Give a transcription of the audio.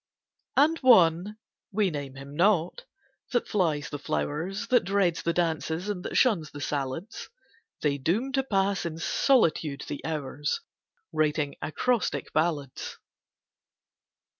And One (we name him not) that flies the flowers, That dreads the dances, and that shuns the salads, They doom to pass in solitude the hours, Writing acrostic ballads.